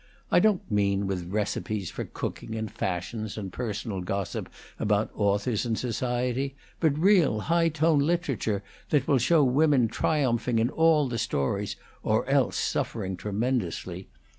I don't mean with recipes for cooking and fashions and personal gossip about authors and society, but real high tone literature that will show women triumphing in all the stories, or else suffering tremendously.